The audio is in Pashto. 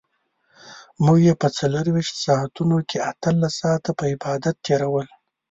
مور يې په څلرويشت ساعتونو کې اتلس ساعته په عبادت تېرول.